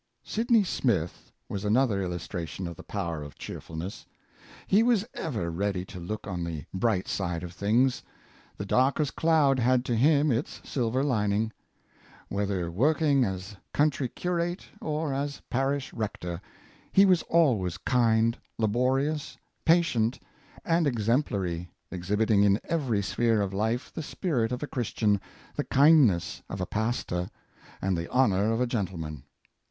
Sidney Smith was another illustration of the power of cheerfulness. He was ever ready to look on the bright side of things; the darkest cloud had to him its silver lining. Whether working as country curate or as parish rector, he was always kind, laborious, patient and exemplary, exhibiting in every sphere of life the spirit of a Christian, the kindness of a pastor, and the honor of a gentleman.